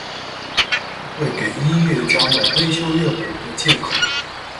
这会给音乐家们微修乐谱的借口。